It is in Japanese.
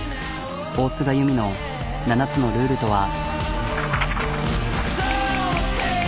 大須賀友美の７つのルールとは。